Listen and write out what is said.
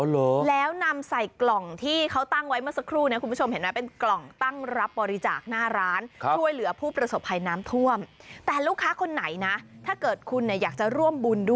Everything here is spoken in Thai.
แล้วนำใส่กล่องที่เขาตั้งไว้เมื่อสักครู่นะคุณผู้ชมเห็นไหม